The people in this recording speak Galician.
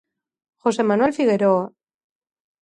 José Manuel Figueroa.